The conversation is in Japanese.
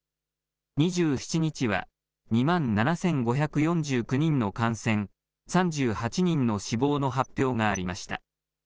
２７日は２万７５４９人の感染、３８人の死亡の発表がありました。